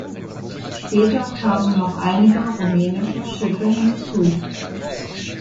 Später kamen noch einige rumänische Schiffe hinzu.